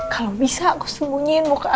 kalau bisa aku sembunyiin muka